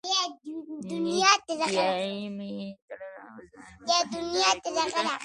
نېکټایي مې تړله او ځان مې په هنداره کې ولید.